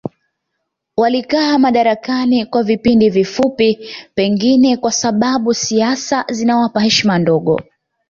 Walikaa madarakani kwa vipindi vifupi pengine kwa sababu siasa zinawapa heshima ndogo